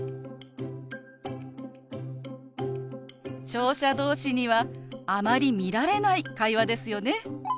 聴者同士にはあまり見られない会話ですよね。